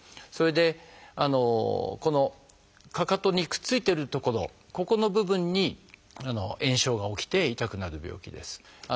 それでこのかかとにくっついてる所ここの部分に炎症が起きて痛くなる病気です。